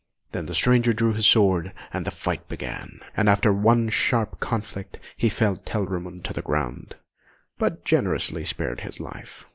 Then the stranger drew his sword, and the fight began; and after a sharp conflict he felled Telramund to the ground, but generously spared his life.